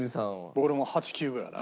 俺も８９ぐらいだな。